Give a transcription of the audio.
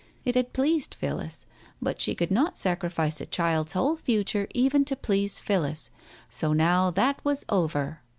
It had pleased Phillis, but she could not sacrifice a child's whole future even to please Phillis, so now that was over.